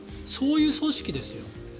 そういう組織ですよ。